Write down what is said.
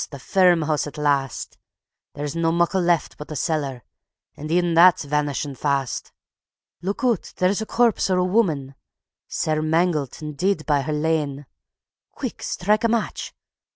the ferm hoose at last; There's no muckle left but the cellar, an' even that's vanishin' fast. Look oot, there's the corpse o' a wumman, sair mangelt and deid by her lane. Quick! Strike a match.